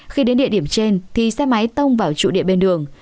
khi đến địa điểm trên thì xe máy tông vào trụ điện bên đường